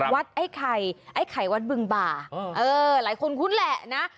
ไอ้ไข่ไอ้ไข่วัดบึงบ่าเออหลายคนคุ้นแหละนะ